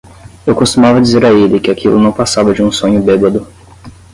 Eu costumava dizer a ele que aquilo não passava de um sonho bêbado.